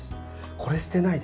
これ、捨てないで。